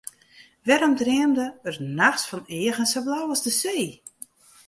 Wêrom dreamde er nachts fan eagen sa blau as de see?